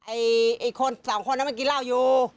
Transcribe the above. ไอ้คนสองคนนั้นมันกินเหล้าอยู่